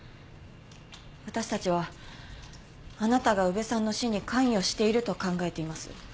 私たちはあなたが宇部さんの死に関与していると考えています。